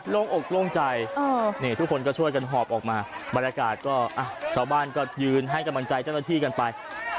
ลงอกลงใจทุกคนก็ช่วยกันหอบออกมาบรรจากงานก็ก็ยืนให้กำลังกายเจ้าที่กันไป